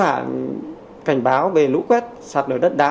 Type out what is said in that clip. và các kịch bản cảnh báo về lũ quét sạt lở đất đá